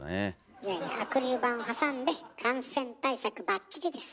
いやいやアクリル板を挟んで感染対策ばっちりです。